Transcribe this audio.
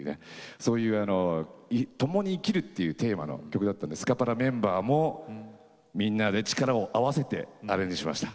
そういうともに生きるっていうテーマの曲だったんでスカパラメンバーもみんなで力を合わせてアレンジしました。